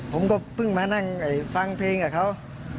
ผมก็เพิ่งมานั่งฟังเพลงกับเขา